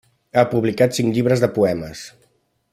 Ha publicat cinc llibres de poemes.